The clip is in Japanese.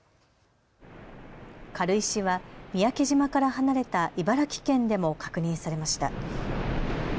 軽石は三宅島から離れた茨城県でも確認されました。